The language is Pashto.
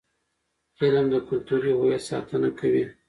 علم د کلتوري هویت ساتنه کوي.